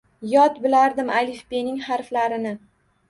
Yod bilardim alifbening harflarini